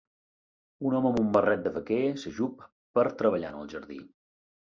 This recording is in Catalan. Un home amb un barret de vaquer s'ajup per treballar en el jardí.